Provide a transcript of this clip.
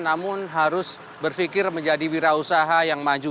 namun harus berpikir menjadi wira usaha yang maju